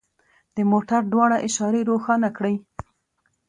د موټر دواړه اشارې روښانه کړئ